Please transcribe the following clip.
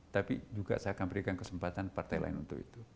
tapi juga saya akan berikan kesempatan partai lain untuk itu